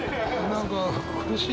何か苦しい。